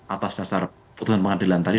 atas dasar putusan pengadilan tadi